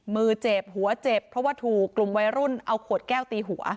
มือเจ็บหัวเจ็บเพราะว่าถูกกลุ่มวัยรุ่นเอาขวดแก้วตีหัว